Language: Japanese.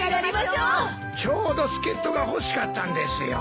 ちょうど助っ人が欲しかったんですよ。